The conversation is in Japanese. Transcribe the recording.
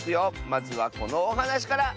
まずはこのおはなしから！